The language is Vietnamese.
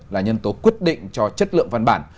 là nhân tố quyết định cho chất lượng văn bản